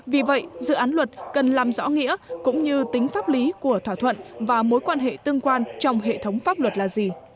vì vậy dự án luật cần làm rõ nghĩa cũng như tính pháp lý của thỏa thuận và mối quan hệ tương quan trong hệ thống pháp luật là gì